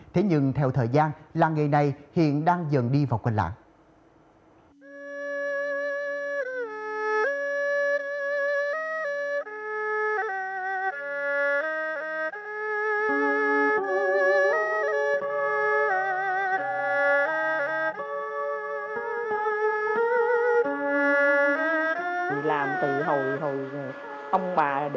thế nhưng theo thời gian làng nghề này hiện đang dần đi vào quên lạng